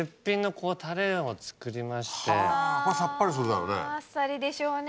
これさっぱりするだろうね。